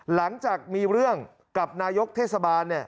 หลังจากมีเรื่องกับนายกเทศบาล